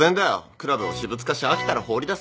クラブを私物化し飽きたら放り出す。